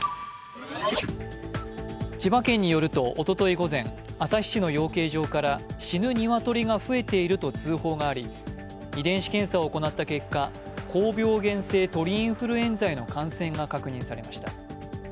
千葉県によるとおととい午前、旭市の養鶏場から死ぬニワトリが増えていると通報があり、遺伝子検査を行った結果、高病原性鳥インフルエンザへの感染が確認されました。